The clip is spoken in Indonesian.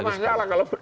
enggak ada masalah kalau